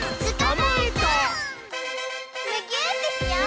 むぎゅーってしよう！